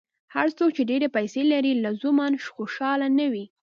هر څوک چې ډېرې پیسې لري، لزوماً خوشاله نه وي.